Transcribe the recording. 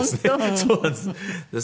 そうなんです。